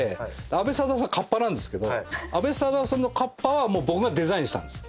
カッパなんですけど阿部サダヲさんのカッパはもう僕がデザインしたんです。